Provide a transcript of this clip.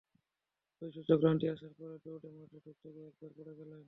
জয়সূচক রানটি আসার পরই দৌড়ে মাঠে ঢুকতে গিয়ে একবার পড়ে গেলেন।